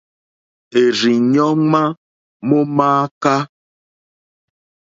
È rzí ɲɔ́ ŋmá mó mááká.